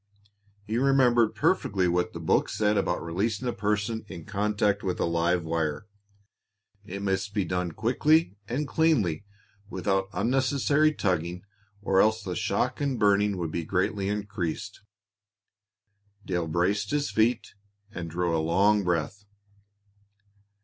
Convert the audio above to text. He remembered perfectly what the book said about releasing a person in contact with a live wire. It must be done quickly and cleanly, without unnecessary tugging, or else the shock and burning would be greatly increased. Dale braced his feet and drew a long breath.